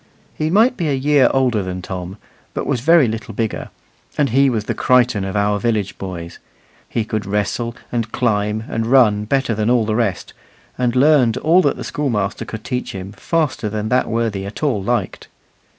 He might be a year older than Tom, but was very little bigger, and he was the Crichton of our village boys. He could wrestle and climb and run better than all the rest, and learned all that the schoolmaster could teach him faster than that worthy at all liked.